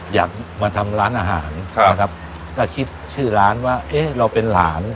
อยากมาทำร้านอาหารครับนะครับก็คิดชื่อร้านว่าเอ๊ะเราเป็นหลาน